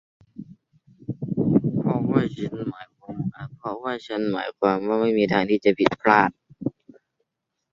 เพราะว่าฉันหมายความว่าไม่มีทางที่จะผิดพลาด